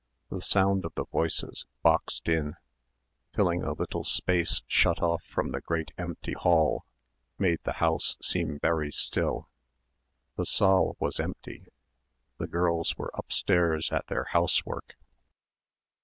The sound of the voices, boxed in, filling a little space shut off from the great empty hall made the house seem very still. The saal was empty, the girls were upstairs at their housework.